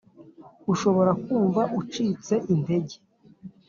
Ushobora kumva ucitse intege